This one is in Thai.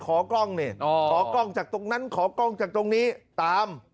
ขอกล้องนี่ขอกล้องจากตรงนั้นขอกล้องจากตรงนี้ตาม